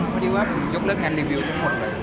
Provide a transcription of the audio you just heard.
พอดีว่าผมยกเลิกงานรีวิวทั้งหมดเลย